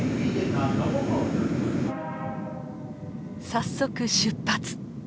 早速出発！